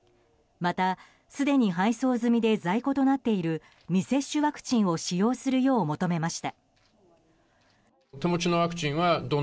また、すでに配送済みで在庫となっている未接種ワクチンを使用するよう求めました。